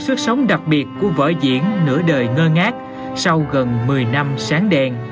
xuất sống đặc biệt của vỡ diễn nửa đời ngơ ngát sau gần một mươi năm